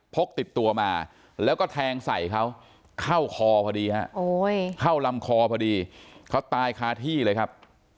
พกติดตัวมาแล้วก็แทงใส่เขาเข้าคอพอดีฮะเข้าลำคอพอดีเขาตายคาที่เลยครับ